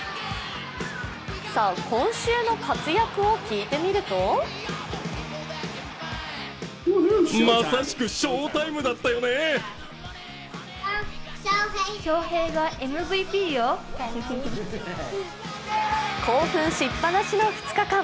さあ、今週の活躍を聞いてみると興奮しっぱなしの２日間。